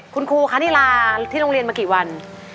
คุณครูคะนี่ลาที่โรงเรียนมากี่วัน